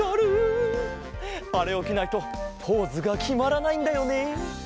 あれをきないとポーズがきまらないんだよね。